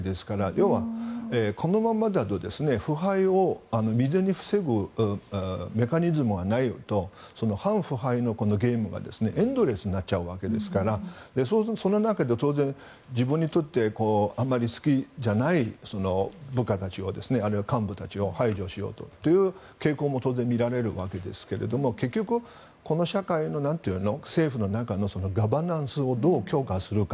要はこのままだと腐敗を未然に防ぐメカニズムがないと反腐敗のゲームがエンドレスになっちゃうわけですからその中では当然自分にとってあまり好きじゃない部下たちあるいは幹部たちを排除しようという傾向も当然見られるわけですけども結局、この社会の政府の中のガバナンスをどう強化するか。